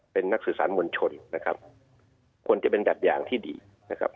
เป็นนักสื่อสารมวลชนนะครับควรจะเป็นแบบอย่างที่ดีนะครับ